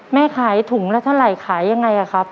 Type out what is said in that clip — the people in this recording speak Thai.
แม่ขายถุงแล้วเท่าไรขายอย่างไรครับ